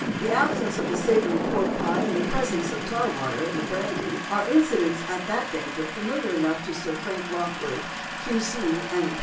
The absence of the savoury pork pie, and the presence of tar water in the brandy are incidents at that banquet familiar enough to Sir Frank Lockwood, Q.C., M.